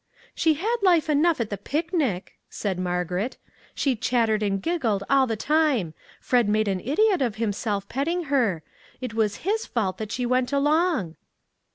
" She had life enough at the picnic," said Margaret; " she chattered and giggled all the time. Fred made an idiot of himself petting her; it was his fault that she went along."